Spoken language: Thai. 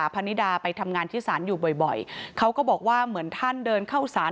พนิดาไปทำงานที่ศาลอยู่บ่อยเขาก็บอกว่าเหมือนท่านเดินเข้าสาร